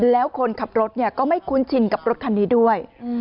แล้วคนขับรถก็ไม่คุ้นชินกับรถคันนี้ด้วย